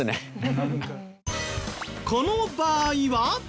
この場合は？